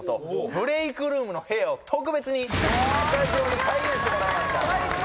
ブレイクルームの部屋を特別にスタジオに再現してもらいました最高！